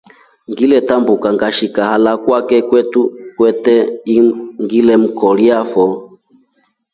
Ngiletambuka ngashika hala kwake kwete ngilemkolia foo.